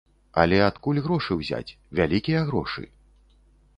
Але адкуль грошы ўзяць, вялікія грошы?